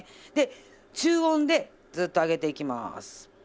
で中温でずっと揚げていきます。